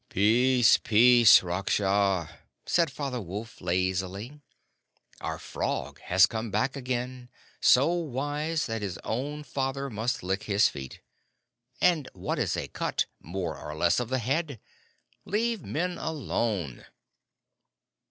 "Peace, peace, Raksha!" said Father Wolf, lazily. "Our Frog has come back again so wise that his own father must lick his feet; and what is a cut, more or less, on the head? Leave Men alone."